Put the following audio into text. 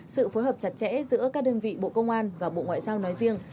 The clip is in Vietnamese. sự phối hợp chặt chẽ giữa các đơn vị bộ công an và bộ ngoại giao nói riêng